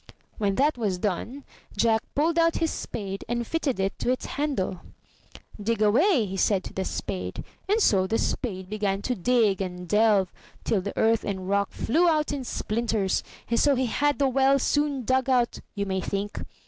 When that was done. Jack pulled out his spade, and fitted it to its handle. 243 M Y BOOK HOUSE Dig away!" said he to the spade; and so the spade began to dig and delve till the earth and rock flew out in splinters, and so he had the well soon dug out, you may think.